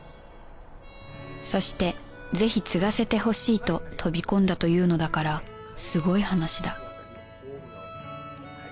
そしてぜひ継がせてほしいと飛び込んだというのだからすごい話だ